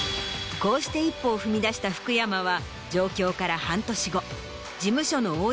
こうして一歩を踏み出した福山は。